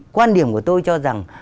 quan điểm của tôi cho rằng